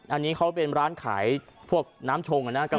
อันนี้เขาเป็นร้านขายพวกน้ำชงนะครับ